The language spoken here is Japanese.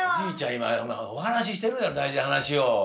今お話ししてるだろ大事な話を。